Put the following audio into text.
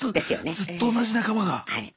ずっと同じ仲間が。